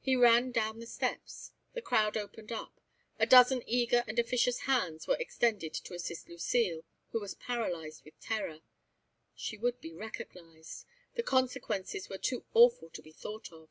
He ran down the steps. The crowd opened out. A dozen eager and officious hands were extended to assist Lucile, who was paralysed with terror. She would be recognised; the consequences were too awful to be thought of.